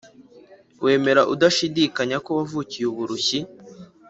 wemere udashidikanya ko wavukiye uburushyi